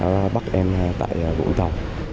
đã bắt em tại vũ tàu